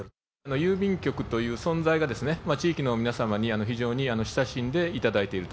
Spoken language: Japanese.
郵便局という存在が、地域の皆様に非常に親しんでいただいていると。